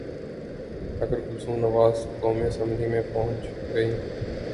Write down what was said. اگر کلثوم نواز قومی اسمبلی میں پہنچ گئیں۔